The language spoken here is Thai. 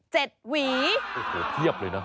จริงเทียบเลยนะ